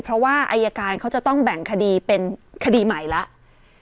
เพราะว่าอายการเขาจะต้องแบ่งคดีเป็นคดีใหม่แล้ว